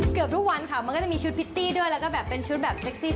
เกือบทุกวันค่ะมันก็จะมีชุดพริตตี้ด้วยแล้วก็แบบเป็นชุดแบบเซ็กซี่